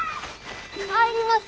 帰ります！